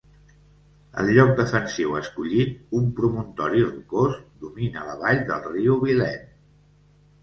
El lloc defensiu escollit, un promontori rocós, domina la vall del riu Vilaine.